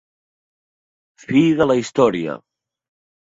Fi de la història.